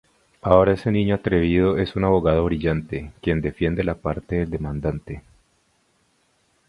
Ahora ese niño atrevido es un abogado brillante, quien defiende la parte del demandante.